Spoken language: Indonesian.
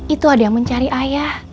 itu ada yang mencari ayah